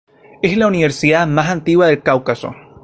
Es la Universidad más antigua del Cáucaso.